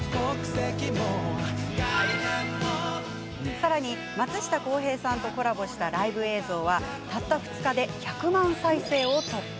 さらに松下洸平さんとコラボしたライブ映像は、たった２日間で１００万再生を突破。